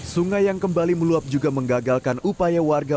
sungai yang kembali meluap juga menggagalkan upaya warga